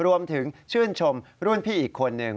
รวมถึงชื่นชมรุ่นพี่อีกคนนึง